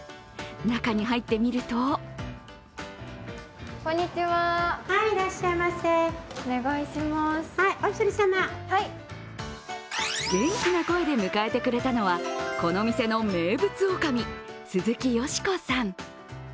中に入ってみると元気な声で迎えてくれたのはこの店の名物おかみ・鈴木佳子さん。